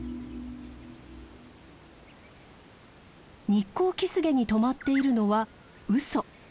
ニッコウキスゲに止まっているのはウソ。